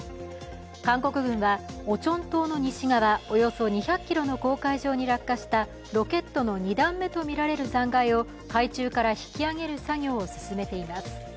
韓国軍は、オチョン島の西側、およそ２００ｋｍの公海上に落下したロケットの２段目とみられる残骸を海中から引き揚げる作業を進めています。